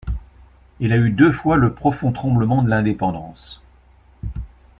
Elle a eu deux fois le profond tremblement de l’indépendance.